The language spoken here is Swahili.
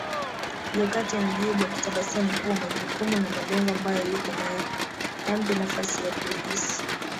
Jokate anajibu akitabasamu kuwa majukumu na malengo ambayo yuko nayo hayampi nafasi ya kuhisi